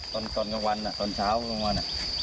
ตอนก่อนกลางวันอ่ะตอนเช้ากลางวัน